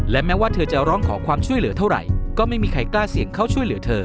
และแม้ว่าเธอจะร้องขอความช่วยเหลือเท่าไหร่ก็ไม่มีใครกล้าเสี่ยงเข้าช่วยเหลือเธอ